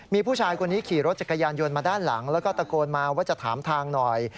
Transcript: มีผู้ชายคนนี้ขี่รถจักรยานยนต์มาด้านหลังแล้วก็ตะโกนมาว่าจะถามทางหน่อย